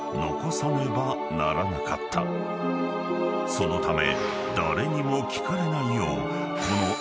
［そのため］